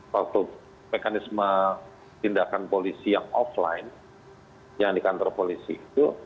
waktu mekanisme tindakan polisi yang offline yang di kantor polisi itu